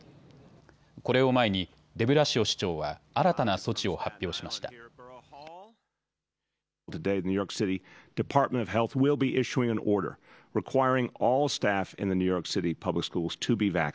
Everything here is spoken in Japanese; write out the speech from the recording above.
これを前にデブラシオ市長は新たな措置を発表しました。